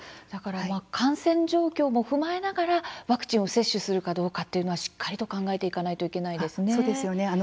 だから感染状況も踏まえながら、ワクチンを接種するかどうかというのはしっかりと考えていかないといけないですね。